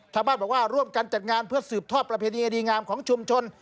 ชาวบ้านบอกว่าร่วมกันจัดงานเพื่อสืบทอดประเพณีอดีงามของชุมชน